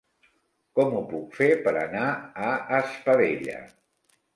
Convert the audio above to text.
Com ho puc fer per anar a Espadella?